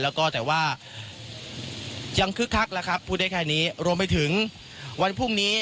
แล้วก็แต่ว่ายังคึกคักแล้วครับพูดได้แค่นี้รวมไปถึงวันพรุ่งนี้